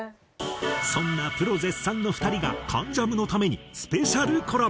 そんなプロ絶賛の２人が『関ジャム』のためにスペシャルコラボ。